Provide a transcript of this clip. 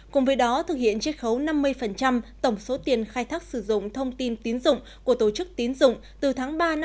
cùng với đó thực hiện triết khấu năm mươi tổng số tiền khai thác sử dụng thông tin tín dụng của tổ chức tín dụng từ tháng ba năm hai nghìn hai mươi đến tháng một mươi hai năm hai nghìn hai mươi